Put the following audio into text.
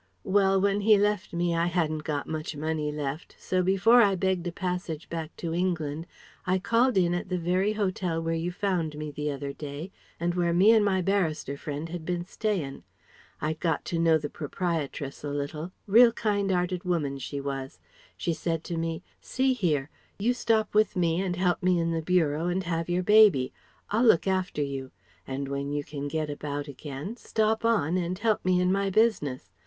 Well, when he left me I hadn't got much money left; so, before I begged a passage back to England, I called in at the very hotel where you found me the other day, and where me an' my barrister friend had been stayin'. I'd got to know the proprietress a little real kind 'earted woman she was. She said to me 'See here. You stop with me and help me in the bureau and have your baby. I'll look after you. And when you can get about again, stop on and help me in my business.